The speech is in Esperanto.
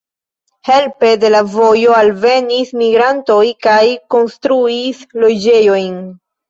Helpe de la vojo alvenis migrantoj kaj konstruis loĝejojn.